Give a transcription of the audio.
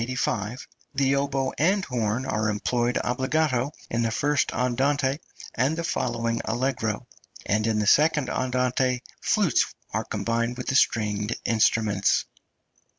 the oboe and horn are employed obbligato in the first andante and the {INSTRUMENTAL MUSIC.} (302) following allegro, and in the second andante flutes are combined with the stringed instruments.